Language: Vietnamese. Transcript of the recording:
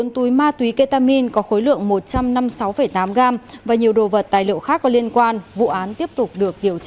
bốn túi ma túy ketamin có khối lượng một trăm năm mươi sáu tám gram và nhiều đồ vật tài liệu khác có liên quan vụ án tiếp tục được điều tra